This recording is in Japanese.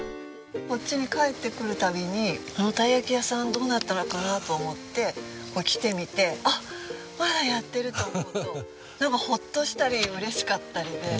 こっちに帰ってくる度にあのたい焼き屋さんどうなったのかなと思って来てみて「あっまだやってる」と思うとなんかホッとしたり嬉しかったりで。